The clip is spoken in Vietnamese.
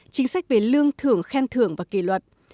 chính sách về lương thưởng khen thưởng và kỳ luật